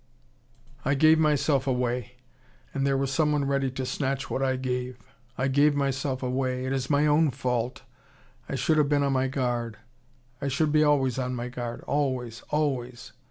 I gave myself away: and there was someone ready to snatch what I gave. I gave myself away. It is my own fault. I should have been on my guard. I should be always on my guard: always, always.